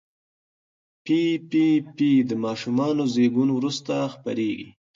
پي پي پي د ماشوم زېږون وروسته خپرېږي.